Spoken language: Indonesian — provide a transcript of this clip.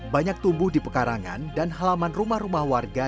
banyak tumbuh di pekarangan dan halaman rumah rumah warga